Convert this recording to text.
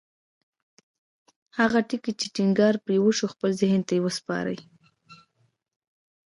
هغه ټکي چې ټينګار پرې وشو خپل ذهن ته وسپارئ.